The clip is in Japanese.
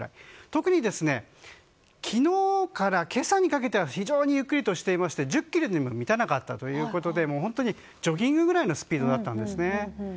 特に昨日から今朝にかけては非常にゆっくりとしていまして１０キロにも満たなかったということで本当にジョギングぐらいのスピードだったんですね。